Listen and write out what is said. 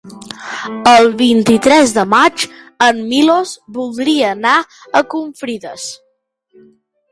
El vint-i-tres de maig en Milos voldria anar a Confrides.